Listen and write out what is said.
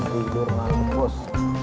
bangga tidur mampus